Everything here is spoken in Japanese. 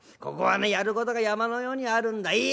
ここはねやることが山のようにあるんだ。